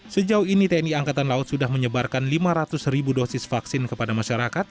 sejauh ini tni angkatan laut sudah menyebarkan lima ratus ribu dosis vaksin kepada masyarakat